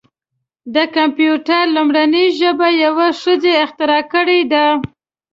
د کمپیوټر لومړنۍ ژبه یوه ښځې اختراع کړې ده.